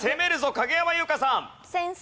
影山優佳さん。